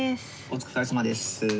「お疲れさまです」。